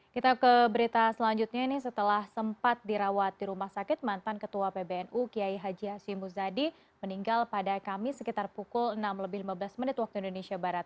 kita ke berita selanjutnya ini setelah sempat dirawat di rumah sakit mantan ketua pbnu kiai haji hashim muzadi meninggal pada kamis sekitar pukul enam lebih lima belas menit waktu indonesia barat